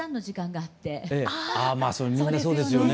ああみんなそうですよね。